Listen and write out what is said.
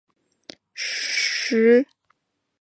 匙唇兰为兰科匙唇兰属下的一个种。